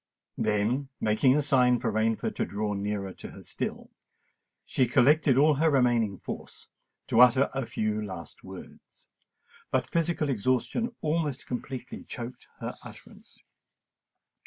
Then, making a sign for Rainford to draw nearer to her still, she collected all her remaining force to utter a few last words; but physical exhaustion almost completely choked her utterance.